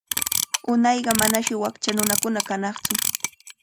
Unayqa manashi wakcha nunakuna kanaqtsu.